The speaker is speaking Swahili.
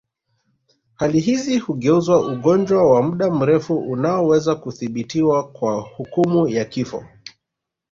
Hali hizi hugeuza ugonjwa wa muda mrefu unaoweza kudhibitiwa kwa hukumu ya kifo